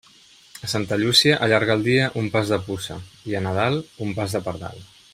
A Santa Llúcia allarga el dia un pas de puça, i a Nadal un pas de pardal.